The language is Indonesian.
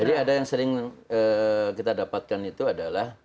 jadi ada yang sering kita dapatkan itu adalah